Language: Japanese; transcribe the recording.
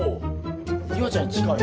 夕空ちゃん近い。